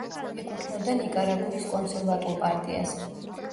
ეკუთვნოდა ნიკარაგუის კონსერვატულ პარტიას.